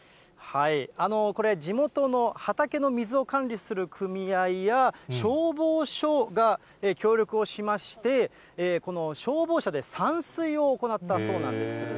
これ、地元の畑の水を管理する組合や、消防署が協力をしまして、この消防車で散水を行ったそうなんです。